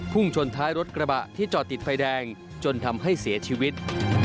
ชนท้ายรถกระบะที่จอดติดไฟแดงจนทำให้เสียชีวิต